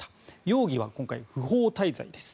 容疑は今回、不法滞在です。